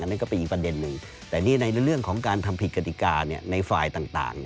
นั่นก็เป็นอีกประเด็นหนึ่งแต่นี่ในเรื่องของการทำผิดกฎิกาในฝ่ายต่าง